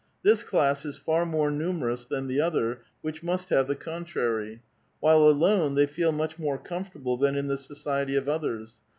This class is far more numerous than the other, which must have the contrary. While alone they feel much more comfortable than in the society of others.